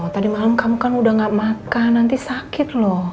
tadi malam kamu kan udah gak makan nanti sakit loh